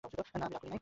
না আমি রাগ করে নেই।